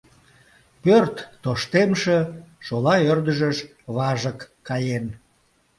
Пӧрт тоштемше, шола ӧрдыжыш важык каен.